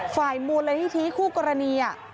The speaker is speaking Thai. ฝ่ายมวลละอิทธิคู่กรณี